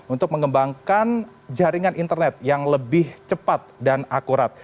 untuk mengembangkan jaringan internet yang lebih cepat dan akurat